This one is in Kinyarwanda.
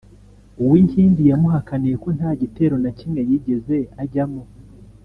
Uwinkindi yamuhakaniye ko nta gitero na kimwe yigeze ajyamo